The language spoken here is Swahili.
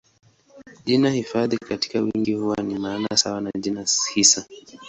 Jina hifadhi katika wingi huwa na maana sawa na jina hisa.